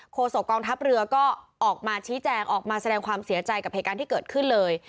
โศกองทัพเรือก็ออกมาชี้แจงออกมาแสดงความเสียใจกับเหตุการณ์ที่เกิดขึ้นเลย